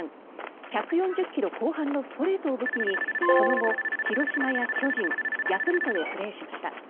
１４０ｋｍ後半のストレートを武器にその後、広島や巨人、ヤクルトでプレーしました。